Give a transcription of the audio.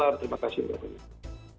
terima kasih pak